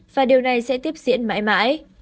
và điều này sẽ tiếp diễn mãi mãi